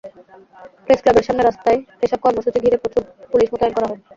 প্রেসক্লাবের সামনের রাস্তায় এসব কর্মসূচি ঘিরে প্রচুর পুলিশ মোতায়েন করা হয়।